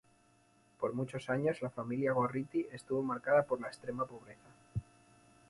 Por muchos años la familia Gorriti estuvo marcada por la extrema pobreza.